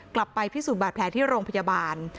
กลับไปพิสูจน์บาดแผลที่โรงพยาบาล